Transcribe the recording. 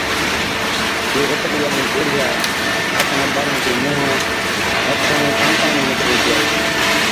جي رت ڳڙِيا ائُون گوڙهِيا ڌاڪڙان ٻاڙان چي مُونهان، هٿان ائُون ٽانڪان ۾ نِڪري هِتِيا۔